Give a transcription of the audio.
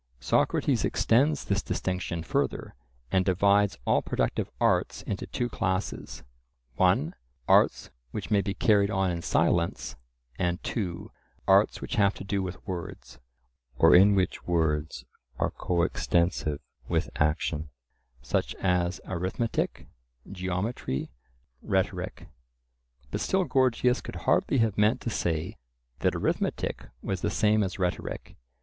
Socrates extends this distinction further, and divides all productive arts into two classes: (1) arts which may be carried on in silence; and (2) arts which have to do with words, or in which words are coextensive with action, such as arithmetic, geometry, rhetoric. But still Gorgias could hardly have meant to say that arithmetic was the same as rhetoric.